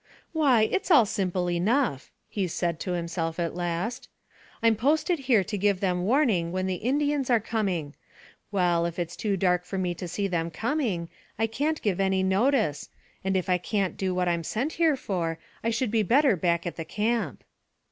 "Why, it's all simple enough," he said to himself at last. "I'm posted here to give them warning when the Indians are coming. Well, if it's too dark for me to see them coming I can't give any notice, and if I can't do what I'm sent here for I should be better back at the camp."